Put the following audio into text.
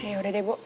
ya udah deh bu